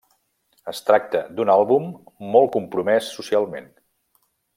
Es tracta d'un àlbum molt compromès socialment.